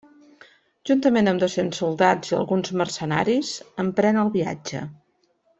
Juntament amb dos-cents soldats i alguns mercenaris, emprèn el viatge.